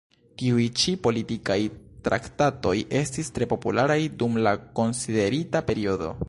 Tiuj ĉi politikaj traktatoj estis tre popularaj dum la konsiderita periodo.